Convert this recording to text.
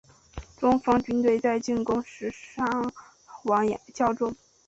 中方军队在进攻时伤亡较重。